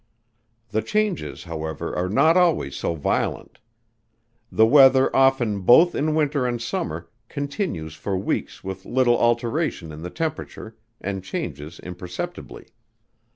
The changes, however, are not always so violent. The weather often both in winter and summer, continues for weeks with little alteration in the temperature, and changes imperceptibly.